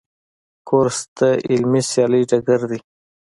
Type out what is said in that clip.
کورس د علمي سیالۍ ډګر دی.